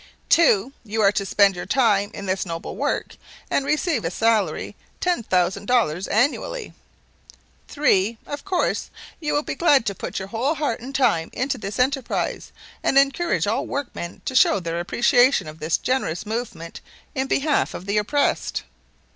"2. You are to spend your time in this noble work and receive as salary ten thousand dollars annually. "3. Of course you will be glad to put your whole heart and time into this enterprise and encourage all workmen to show their appreciation of this generous movement in behalf of the oppressed."